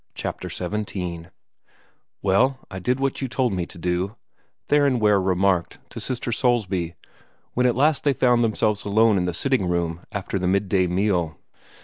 CHAPTER XVII "Well, I did what you told me to do," Theron Ware remarked to Sister Soulsby, when at last they found themselves alone in the sitting room after the midday meal.